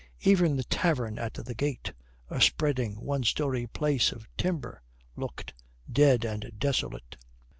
Even the tavern at the gate, a spreading one story place of timber, looked dead and desolate.